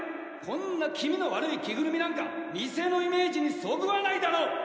こんな気味の悪い着ぐるみなんか店のイメージにそぐわないだろ！